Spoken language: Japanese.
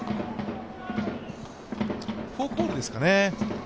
フォークボールですかね。